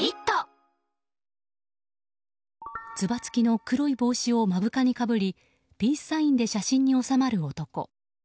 つば付きの黒い帽子を目深にかぶりピースサインで写真に収まる男。